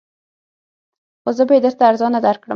خو زه به یې درته ارزانه درکړم